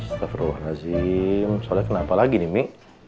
astaghfirullahaladzim soleh kenapa lagi nih mi